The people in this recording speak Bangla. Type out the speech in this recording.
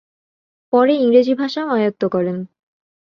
পরে ইংরেজি ভাষাও আয়ত্ত করেন।